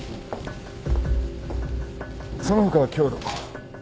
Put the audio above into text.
その他は強度。